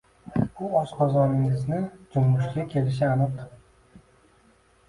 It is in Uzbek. U oshqozoningizni junbushga kelishi aniq.